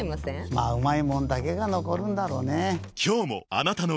まぁうまいもんだけが残るんだろうねぇ。